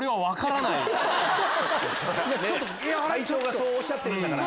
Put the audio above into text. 会長がそうおっしゃってるんだから。